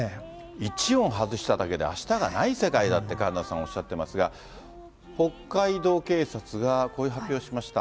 一音外しただけで、あしたがない世界だって、神田さんおっしゃってますが、北海道警察がこういった発表しました。